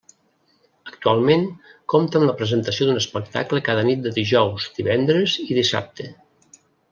Actualment compta amb la presentació d'un espectacle cada nit de dijous, divendres i dissabte.